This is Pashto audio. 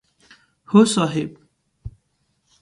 هو صاحب!